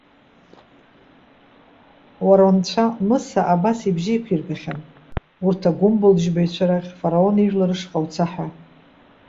Уара унцәа, Мыса абас ибжьы иқәиргахьан. Урҭ агәымбылџьбаҩцәа рахь, Фараон ижәлар рышҟа уца,- ҳәа